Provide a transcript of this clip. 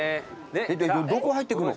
どこ入ってくの？